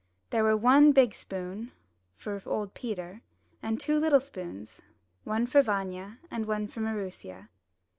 There were one big spoon, for old Peter; and two little spoons, one for Vanya and one for Maroosia.